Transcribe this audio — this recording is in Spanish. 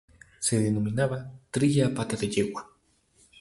Se denominaba "trilla a pata de yegua".